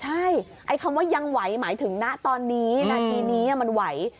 ใช่ไอ้คำว่ายังไหวหมายถึงณตอนนี้นาทีนี้มันไหว